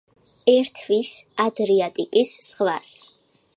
ერთვის ადრიატიკის ზღვას.